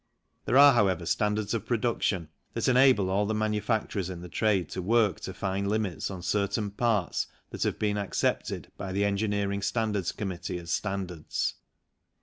There are, however, standards of produc tion that enable all the manufacturers in the trade to work to fine limits on certain parts that have been accepted by the Engineering Standards Committee as standards.